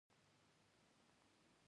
ټول خوند يې په همدې کښې و.